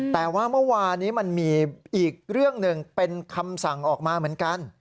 แต่ว่าเมื่อวานี้มันมีอีกเรื่องหนึ่งเป็นคำสั่งออกมาเหมือนกัน